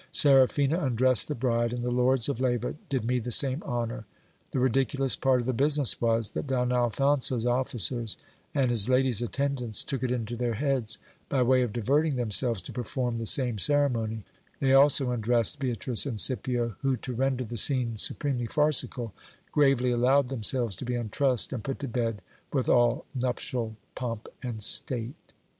Seraphina undressed the bride, and the lords of Leyva did me the same honour. The ridiculous part of the business was, that Don Alphonso's officers and his lady's attendants took it into their heads, by way of diverting themselves, to perform the same ceremony: they also un dressed Beatrice and Scipio, who, to render the scene supremely farcical, gravely allowed themselves to be untrussed, and put to bed with all nuptial pomp and state.